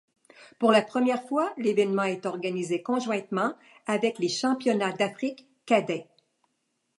Pour la première fois, l'événement est organisé conjointement avec les championnats d'Afrique cadets.